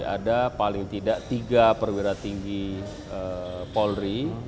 ada paling tidak tiga perwira tinggi polri